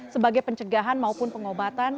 sebagai pencegahan maupun pengobatan